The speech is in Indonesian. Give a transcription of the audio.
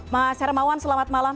mas hermawan selamat malam